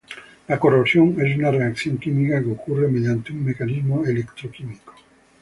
La corrosión es una reacción química que ocurre mediante un mecanismo electroquímico.